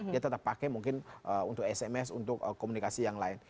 dia tetap pakai mungkin untuk sms untuk komunikasi yang lain